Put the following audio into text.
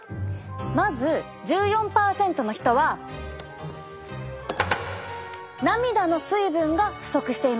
まず１４％の人は涙の水分が不足していました。